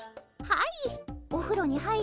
はい。